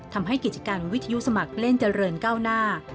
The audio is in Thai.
ทำให้กิจการวิทยุสมัครเล่นเจริญก้าวหน้า